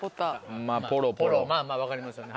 まぁまぁ分かりますよね